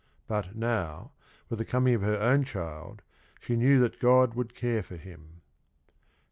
But now, with the coming of her own child, she knew that God would care for him.